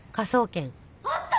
あった！